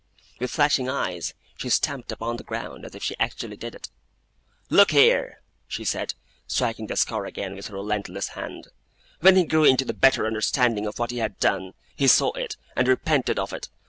With flashing eyes, she stamped upon the ground as if she actually did it. 'Look here!' she said, striking the scar again, with a relentless hand. 'When he grew into the better understanding of what he had done, he saw it, and repented of it!